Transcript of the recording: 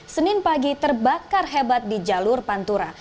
senin pagi terbakar hebat di jalur pantura